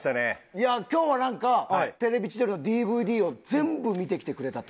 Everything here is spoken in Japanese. いや今日はなんか『テレビ千鳥』のＤＶＤを全部見てきてくれたと。